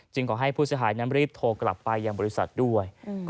ขอให้ผู้เสียหายนั้นรีบโทรกลับไปยังบริษัทด้วย